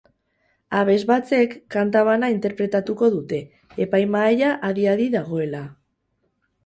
Abesbatzek kanta bana interpretatuko dute, epaimahaia adi-adi dagoela.